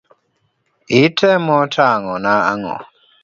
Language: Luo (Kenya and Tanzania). Itemo tang'o na ang'o?